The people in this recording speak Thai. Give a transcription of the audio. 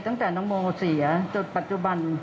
ตั้งแต่น้องโมเสียจนปัจจุบัน